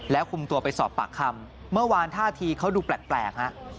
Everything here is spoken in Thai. คุมตัวไปสอบปากคำเมื่อวานท่าทีเขาดูแปลกฮะ